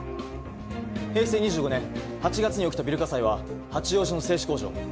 平成２５年８月に起きたビル火災は八王子の製紙工場